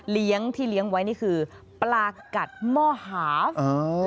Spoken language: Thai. เลี้ยงที่เลี้ยงไว้นี่คือปลากัดหม้อหาฟ